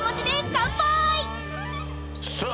さあ